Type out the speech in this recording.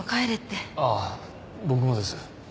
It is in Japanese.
ああ僕もです。